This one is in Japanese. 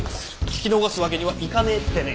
聞き逃すわけにはいかねえってね。